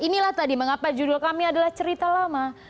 inilah tadi mengapa judul kami adalah cerita lama